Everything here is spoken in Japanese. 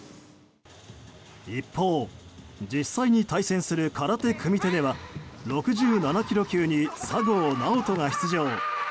一方、実際に対戦する空手組手では６７ｋｇ級に佐合尚人が出場。